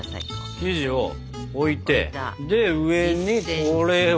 生地を置いてで上にこれを。